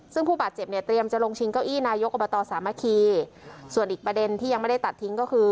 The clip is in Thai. ซึ่งผู้บาดเจ็บเนี่ยเตรียมจะลงชิงเก้าอี้นายกอบตสามัคคีส่วนอีกประเด็นที่ยังไม่ได้ตัดทิ้งก็คือ